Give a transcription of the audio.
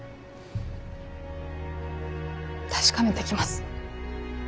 確かめてきます